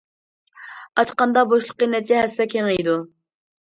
ئاچقاندا بوشلۇقى نەچچە ھەسسە كېڭىيىدۇ.